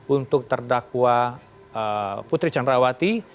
untuk terdakwa putri canrawati